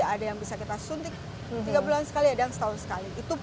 ada yang bisa kita suntik tiga bulan sekali ada yang setahun sekali